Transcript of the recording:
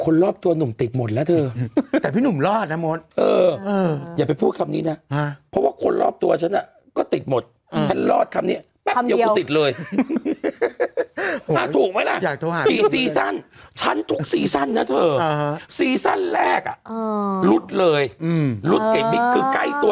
นั่นก็เขาระแวงพี่มศอยู่ตั้งสี่อาทิตย์อะ